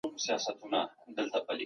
ایا تاسو په خپله ژبه لیکل کوئ؟